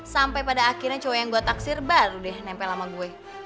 sampai pada akhirnya cowok yang gue taksir baru deh nempel sama gue